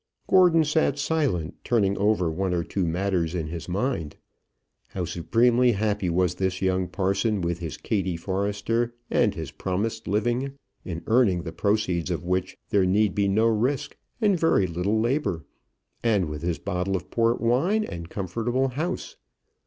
Gordon sat silent, turning over one or two matters in his mind. How supremely happy was this young parson with his Kattie Forrester and his promised living, in earning the proceeds of which there need be no risk, and very little labour, and with his bottle of port wine and comfortable house!